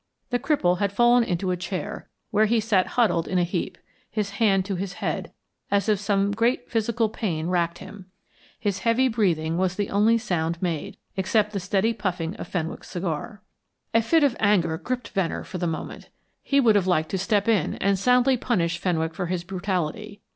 The cripple had fallen into a chair, where he sat huddled in a heap, his hand to his head, as if some great physical pain racked him. His heavy breathing was the only sound made, except the steady puffing of Fenwick's cigar. A fit of anger gripped Venner for the moment; he would have liked to step in and soundly punish Fenwick for his brutality.